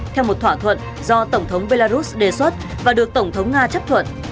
theo một thỏa thuận do tổng thống belarus đề xuất và được tổng thống nga chấp thuận